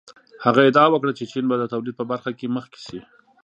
هغه ادعا وکړه چې چین به د تولید په برخه کې مخکې شي.